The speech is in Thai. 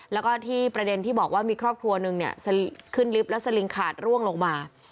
แล้วก็ที่ประเด็นที่บอกว่ามีครอบครัวหนึ่งเนี่ยขึ้นลิฟต์แล้วสลิงขาดร่วงลงมา